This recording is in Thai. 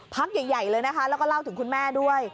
พักใหญ่เลยนะคะแล้วก็เล่าถึงคุณแม่ด้วย